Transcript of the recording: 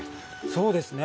そうですね。